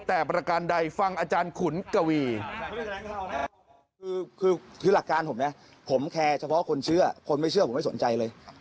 แต่ปราการใดฟังอาจารย์ขุนกวี